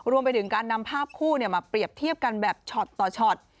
รวมไปถึงการนำภาพคู่มาเปรียบเทียบกันแบบช็อตต่อช็อต